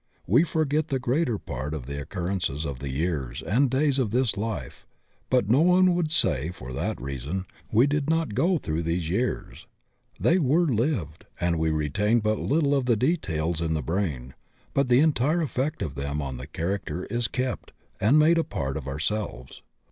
We forget the greater part of the occurrences of the years and days of tibis life, but no one would say for that reason we did not* go through these years. They were lived, and we retain but Uttle of the details in the brain, but the entire effect of them on the character is kept and made a part of ourselves.